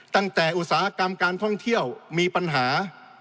อุตสาหกรรมการท่องเที่ยวมีปัญหา